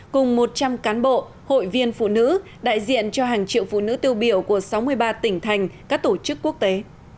cùng một trăm linh cán bộ hội viên phụ nữ đại diện cho hàng triệu phụ nữ tiêu biểu của sáu mươi ba tỉnh thành các tổ chức quốc tế